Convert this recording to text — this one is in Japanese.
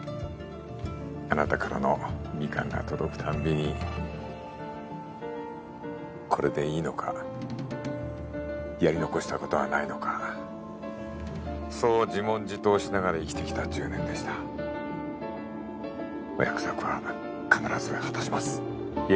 あなたからのミカンが届くたんびにこれでいいのかやり残したことはないのかそう自問自答しながら生きてきた１０年でしたお約束は必ず果たしますいえ